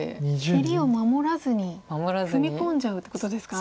切りを守らずに踏み込んじゃうってことですか？